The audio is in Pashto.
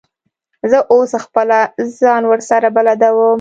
زه اوس خپله ځان ورسره بلدوم.